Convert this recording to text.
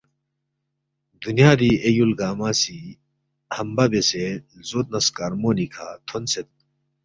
دنیادی اے یول گانگمہ سی ہمبہ بیسے لزود نہ سکارمونیکھہ تھونسید